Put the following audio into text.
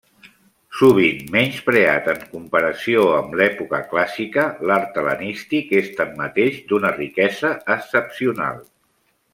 Sovint menyspreat en comparació amb l'època clàssica, l'art hel·lenístic és, tanmateix, d'una riquesa excepcional.